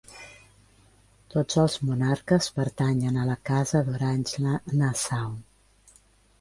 Tots els monarques pertanyen a la Casa d'Orange-Nassau.